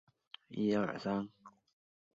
有子杨葆元。